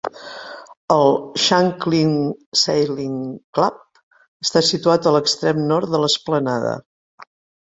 El Shanklin Sailing Club està situat a l'extrem nord de l'esplanada.